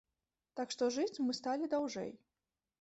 Так што жыць мы сталі даўжэй.